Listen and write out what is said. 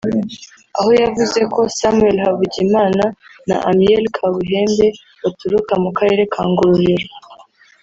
aho yavuze ko Samuel Havugimana na Amiel Kabuhembe baturuka mu Karere ka Ngororero